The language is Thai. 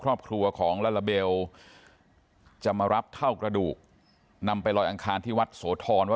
ครอบครัวไม่ได้อาฆาตแต่มองว่ามันช้าเกินไปแล้วที่จะมาแสดงความรู้สึกในตอนนี้